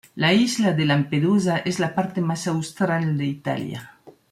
La isla de Lampedusa es la parte más austral de Italia.